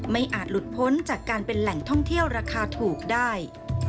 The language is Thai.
อาจหลุดพ้นจากการเป็นแหล่งท่องเที่ยวราคาถูกได้